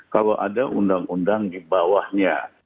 kalau ada undang undang di bawahnya